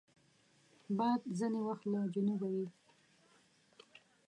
باد ځینې وخت له جنوبه وي